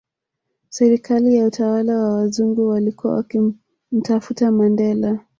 Serikali ya utawala wa wazungu walikuwa wakimtafuta Mandela